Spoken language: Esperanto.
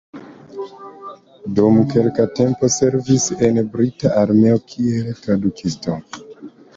Dum kelka tempo servis en brita armeo kiel tradukisto.